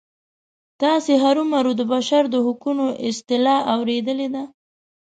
تاسې هرومرو د بشر د حقونو اصطلاح اوریدلې ده.